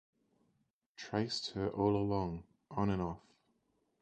Traced her all along, on and off.